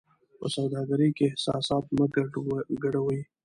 په سوداګرۍ کې احساسات مه ګډوئ.